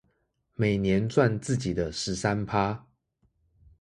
每年賺自己的十三趴